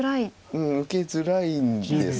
うん受けづらいんです。